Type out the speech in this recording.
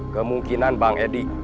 kemungkinan bang edi